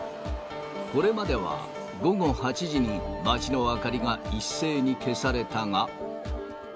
これまでは午後８時に街の明かりが一斉に消されたが。